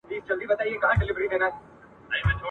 بېلوبېلو بادارانوته رسیږي !.